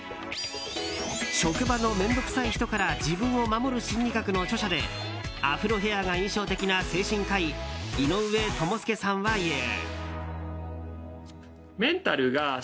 「職場のめんどくさい人から自分を守る心理学」の著者でアフロヘアが印象的な精神科医・井上智介さんは言う。